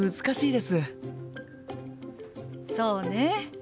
そうね。